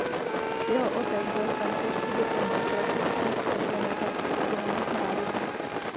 Jeho otec byl francouzský diplomat pracující v Organizaci spojených národů.